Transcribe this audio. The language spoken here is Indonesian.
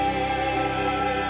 tidak ada yang bisa menghidupku